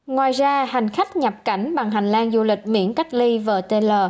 ngoài ra hành khách nhập cảnh bằng hành lang du lịch miễn cách ly vtl